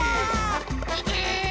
いけ！